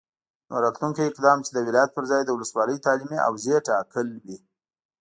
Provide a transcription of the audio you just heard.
نو راتلونکی اقدام چې د ولایت پرځای د ولسوالي تعلیمي حوزې ټاکل وي،